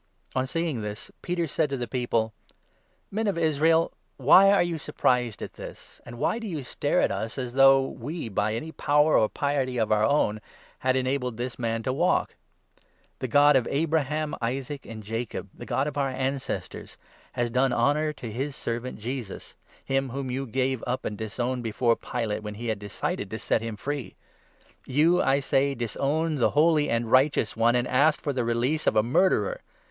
On seeing this, Peter 12 said to the people : Peter'* " ^en °^ Israel, wny are you surprised at this ? Addres/in and why do you stare at us, as though we, by the Temple. any power or piety of our own, had enabled this man to walk ? The God of Abraham, Isaac, and Jacob, the 13 God of our ancestors, has done honour to his Servant Jesus — him whom you gave up and disowned before Pilate, when he had decided to set him free. You, I say, disowned the 14 Holy and Righteous One, and asked for the release of a murderer